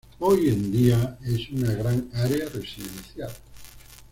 Hoy en día es una gran área residencial.